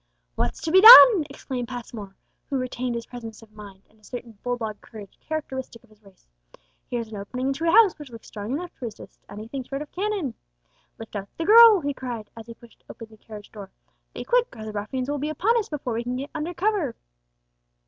"What's to be done?" exclaimed Passmore, who retained his presence of mind, and a certain bull dog courage characteristic of his race. "Here's an opening into a house which looks strong enough to resist anything short of cannon. Lift out the girl!" he cried, as he pushed open the carriage door; "be quick, or the ruffians will be upon us before we can get under cover."